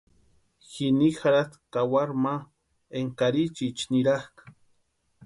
Jini jarhasti kawaru ma énka karichiicha nirakʼa.